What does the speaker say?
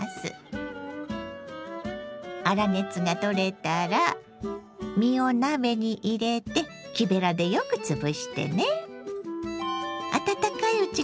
粗熱が取れたら実を鍋に入れて木べらでよくつぶしてね。